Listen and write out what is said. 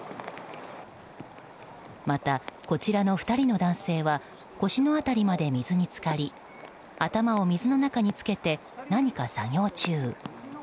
また、こちらの２人の男性は腰の辺りまで水に浸かり頭を水の中につけて何か作業中。